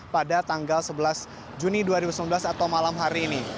pada tanggal sebelas juni dua ribu sembilan belas atau malam hari ini